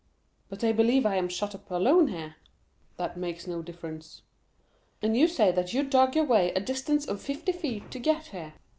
"But they believe I am shut up alone here." "That makes no difference." "And you say that you dug your way a distance of fifty feet to get here?"